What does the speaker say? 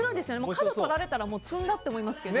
角取られたら詰んだって思いますけど。